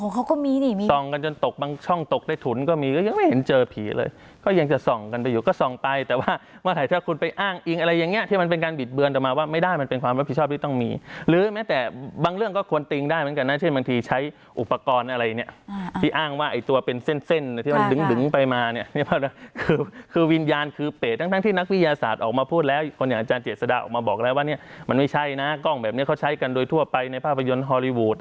เขาก็มีส่องกันจนตกบางช่องตกได้ถุนก็มีก็ยังไม่เห็นเจอผีเลยก็ยังจะส่องกันไปอยู่ก็ส่องไปแต่ว่าเมื่อถ้าคุณไปอ้างอิงอะไรอย่างเงี้ยที่มันเป็นการบิดเบือนต่อมาว่าไม่ได้มันเป็นความรับผิดชอบที่ต้องมีหรือแม้แต่บางเรื่องก็ควรติงได้เหมือนกันนะเช่นบางทีใช้อุปกรณ์อะไรเนี้ยที่อ้างว่าไอ้ตัวเป็